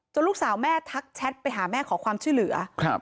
จะลูกสาวแม่ทักแชทไปขอความชื่อหรือ